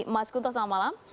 mas kunto selamat malam